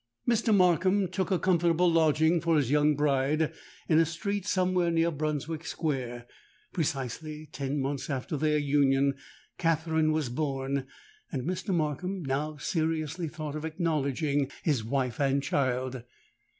"Mr. Markham took a comfortable lodging for his young bride in a street somewhere near Brunswick Square. Precisely ten months after their union Katherine was born; and Mr. Markham now seriously thought of acknowledging his wife and child.